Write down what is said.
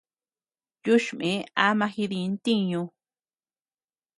Yuchme ama jidi ntiñu.